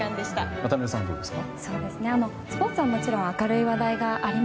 渡辺さん、どうですか。